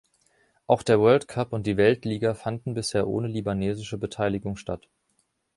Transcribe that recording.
Auch der World Cup und die Weltliga fanden bisher ohne libanesische Beteiligung statt.